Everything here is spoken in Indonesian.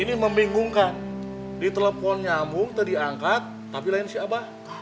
ini membingungkan di telepon nyamuk tadi angkat tapi lain si abah